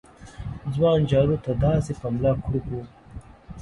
ځوان جارو ته داسې په ملا کړوپ و